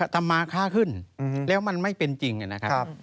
ธรรมาค่าขึ้นแล้วมันไม่เป็นจริงนะครับ